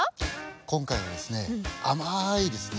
今回はですね甘いですね